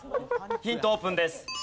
ヒントオープンです。